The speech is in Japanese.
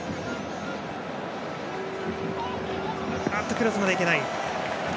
クロスまではいけない。